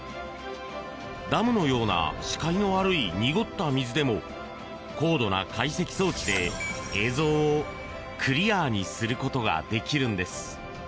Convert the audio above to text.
ダムのような視界の悪い濁った水でも高度な解析装置で映像をクリアにすることができるんです。